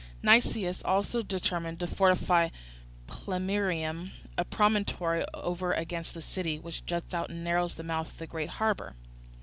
Nicias also determined to fortify Plemmyrium, a promontory over against the city, which juts out and narrows the mouth of the Great Harbour.